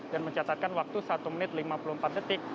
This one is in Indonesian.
dan mencatatkan waktu satu menit lima puluh empat detik